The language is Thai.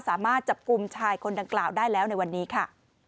สามารถจับกลุ่มชายคนดังกล่าวได้แล้วในวันนี้ค่ะ